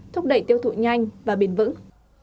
thúc đẩy tiêu thụ nhanh và bền vững